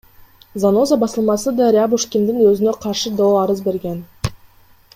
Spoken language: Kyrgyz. Заноза басылмасы да Рябушкиндин өзүнө каршы доо арыз берген.